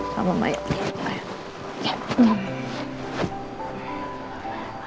sama mama yuk